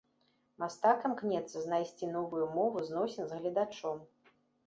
Мастак імкнецца знайсці новую мову зносін з гледачом.